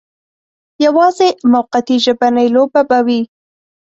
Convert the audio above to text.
یوازې موقتي ژبنۍ لوبه به وي.